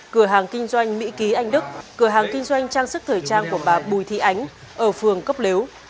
cửa hàng kinh doanh mỹ ký anh đức cửa hàng kinh doanh trang sức thời trang của bà bùi thị ánh ở phường cốc lếu